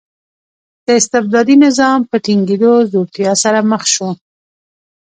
د استبدادي نظام په ټینګېدو ځوړتیا سره مخ شو.